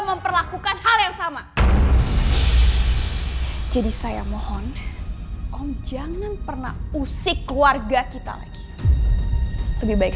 memperlakukan hal yang sama jadi saya mohon om jangan pernah usik keluarga kita lagi lebih baik